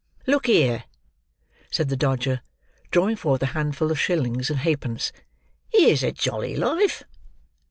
"Look here!" said the Dodger, drawing forth a handful of shillings and halfpence. "Here's a jolly life!